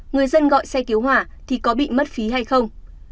người dân gọi xe cứu hỏa thì có bị mất phí hay không